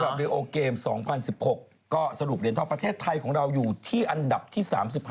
ริโอเกม๒๐๑๖ก็สรุปเหรียญทองประเทศไทยของเราอยู่ที่อันดับที่๓๖